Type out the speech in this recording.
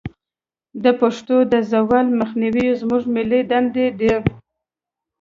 د پښتو د زوال مخنیوی زموږ ملي دندې ده.